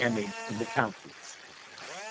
in the Counties. 3.